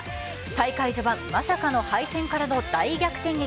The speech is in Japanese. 大会序盤まさかの敗戦からの大逆転劇。